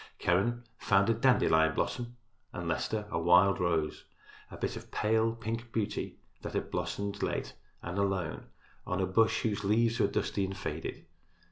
Keren found a dandelion blossom and Leicester a wild rose, a bit of pale, pink beauty that had blossomed late and alone on a bush whose leaves were dusty and faded.